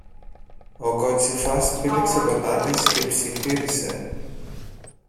Ο κότσυφας πήδηξε κοντά της και ψιθύρισε